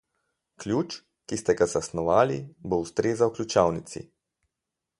Ključ, ki ste ga zasnovali, bo ustrezal ključavnici.